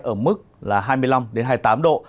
ở mức là hai mươi năm hai mươi tám độ